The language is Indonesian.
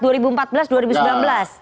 ya karena itu kan